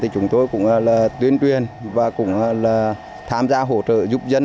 chúng tôi cũng tuyên truyền và cũng tham gia hỗ trợ giúp dân